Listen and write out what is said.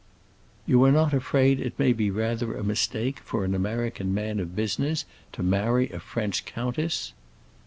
"You are not afraid it may be rather a mistake for an American man of business to marry a French countess?"